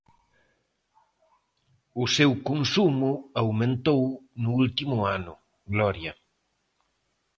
O seu consumo aumentou no último ano, Gloria...